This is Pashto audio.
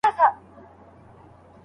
خلک د مړیو له سرونو واوړي.